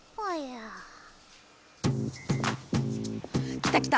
来た来た！